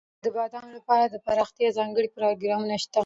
افغانستان کې د بادامو لپاره دپرمختیا ځانګړي پروګرامونه شته.